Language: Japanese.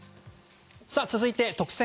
続いて特選！！